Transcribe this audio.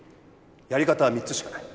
「やり方は３つしかない。